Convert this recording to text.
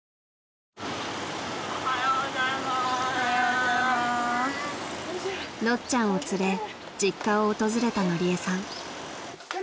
［ろっちゃんを連れ実家を訪れたのりえさん］